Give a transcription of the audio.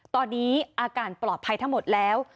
ตอนนี้อาการปลอดภัยทั้งหมดแล้ว